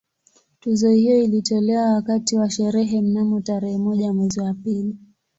Tuzo hiyo ilitolewa wakati wa sherehe mnamo tarehe moja mwezi wa pili